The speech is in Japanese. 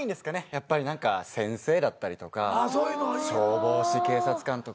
やっぱり何か先生だったりとか消防士警察官とか。